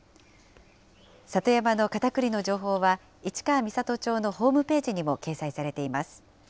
里山のカタクリの情報は市川三郷町のホームページにも掲載されています。